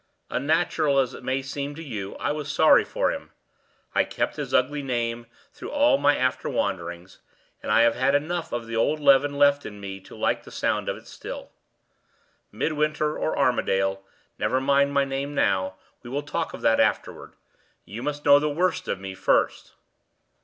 Unnatural as it may seem to you, I was sorry for him. I kept his ugly name through all my after wanderings, and I have enough of the old leaven left in me to like the sound of it still. Midwinter or Armadale, never mind my name now, we will talk of that afterward; you must know the worst of me first."